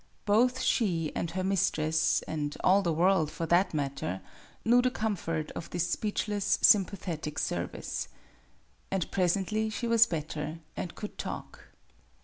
Both she and her mistress and all the world, for that matter knew the comfort of this speechless, sympathetic service. And pres ently she was better, and could talk.